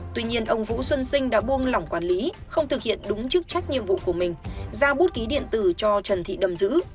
tuy nhiên ông vũ xuân sinh đã buông lỏng quản lý không thực hiện đúng chức trách nhiệm vụ của mình ra bút ký điện tử cho trần thị đầm dữ